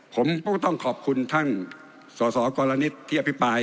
ผมก็ต้องขอบคุณท่านสสกรณิตที่อภิปราย